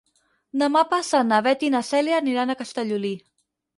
Demà passat na Beth i na Cèlia aniran a Castellolí.